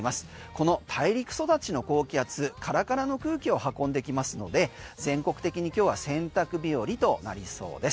この大陸育ちの高気圧カラカラの空気を運んできますので全国的に今日は洗濯日和となりそうです。